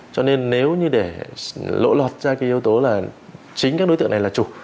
cho nên nếu như để lộ lọt ra cái yếu tố là chính các đối tượng này là chủ